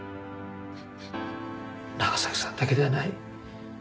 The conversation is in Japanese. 長崎さんだけではない。